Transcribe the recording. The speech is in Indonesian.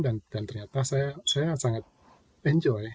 dan ternyata saya sangat enjoy